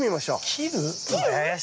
切る？